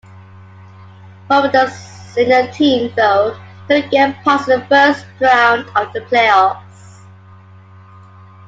Pardubice's senior team, though, couldn't get past the first round of the playoffs.